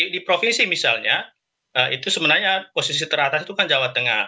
di provinsi misalnya itu sebenarnya posisi teratas itu kan jawa tengah